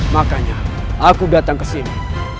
makanya aku datang kesini